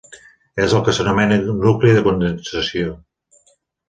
És el que s’anomena nucli de condensació.